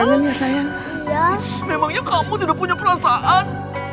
memangyah kamu tidak punya perasaan